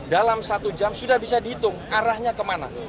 dalam satu jam sudah bisa dihitung arahnya kemana